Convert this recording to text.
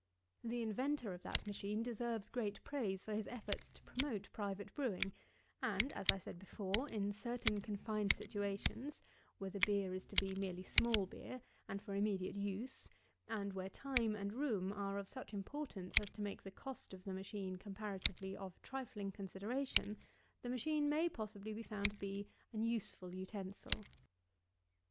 The inventor of that machine deserves great praise for his efforts to promote private brewing; and, as I said before, in certain confined situations, and where the beer is to be merely small beer, and for immediate use, and where time and room are of such importance as to make the cost of the machine comparatively of trifling consideration, the machine may possibly be found to be an useful utensil.